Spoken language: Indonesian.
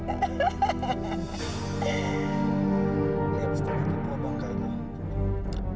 lihat setengah setengah bangkainya